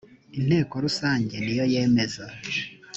inteko rusange niyo yemeza